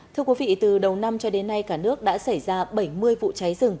thưa quý vị từ đầu năm cho đến nay cả nước đã xảy ra bảy mươi vụ cháy rừng